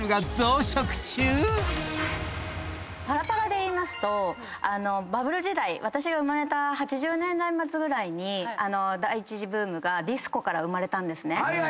パラパラでいいますとバブル時代私が生まれた８０年代末ぐらいに第１次ブームがディスコから生まれたんですね。